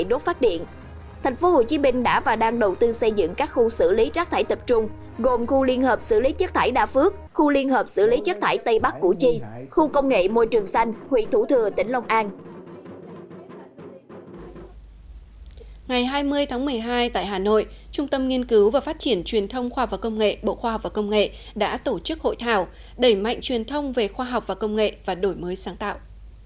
bộ khoa học và công nghệ đã tổ chức hội thảo đẩy mạnh truyền thông về khoa học và công nghệ và đổi mới sáng tạo